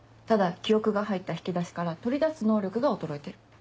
ただ記憶が入った引き出しから取り出す能力が衰えてる。